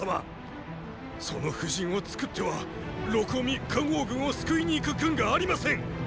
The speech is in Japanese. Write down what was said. その布陣を作っては録嗚未・干央軍を救いに行く軍がありません！